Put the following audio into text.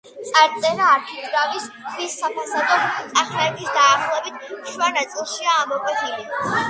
წარწერა არქიტრავის ქვის საფასადო წახნაგის, დაახლოებით, შუა ნაწილშია ამოკვეთილი.